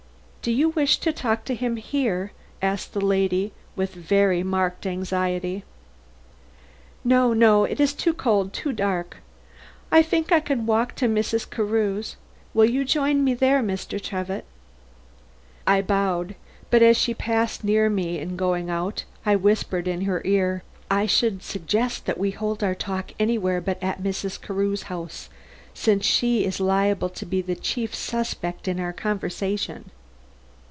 "Do you wish to talk to him here?" asked that lady, with very marked anxiety. "No, no; it is too cold, too dark. I think I can walk to Mrs. Carew's. Will you join me there, Mr. Trevitt?" I bowed; but as she passed near me in going out, I whispered in her ear: "I should suggest that we hold our talk anywhere but at Mrs. Carew's house, since she is liable to be the chief subject of our conversation."